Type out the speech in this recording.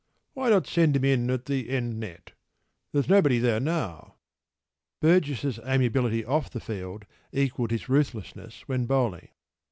Why not send him in at the end net?  There’s nobody there now.” Burgess’s amiability off the field equalled his ruthlessness when bowling.